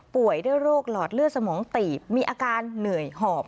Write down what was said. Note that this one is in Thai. ป่วยด้วยโรคหลอดเลือดสมองตีบมีอาการเหนื่อยหอบ